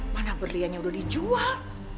mana berliannya udah dijual